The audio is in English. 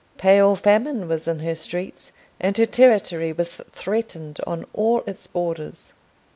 Pale Famine was in her streets, and her territory was threatened on all its borders.